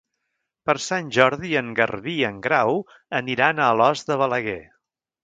Per Sant Jordi en Garbí i en Grau aniran a Alòs de Balaguer.